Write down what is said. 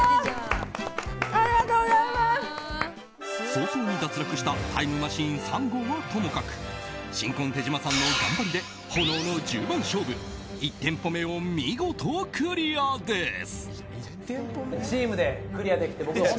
早々に脱落したタイムマシーン３号はともかく新婚・手島さんの頑張りで炎の十番勝負１店舗目を見事クリアです！